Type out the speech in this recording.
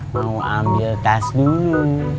mau ambil tas dulu